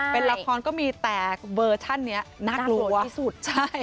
เป็นละครก็มีแต่เวอร์ชันนี้น่ากลัวที่สุดใช่